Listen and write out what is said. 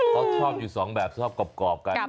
เขาชอบอยู่สองแบบชอบกรอบกัน